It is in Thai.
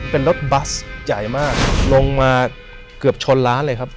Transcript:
เป็นรถบัสใหญ่มากลงมาเกือบชนร้านเลยครับ